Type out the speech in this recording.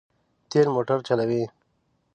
تېل موټر چلوي.